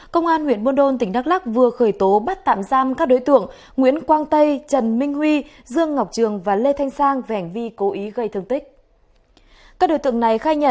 các bạn hãy đăng ký kênh để ủng hộ kênh của chúng mình nhé